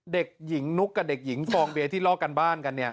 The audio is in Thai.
เด็กหญิงนุ๊กกับเด็กหญิงฟองเบียร์ที่ลอกกันบ้านกัน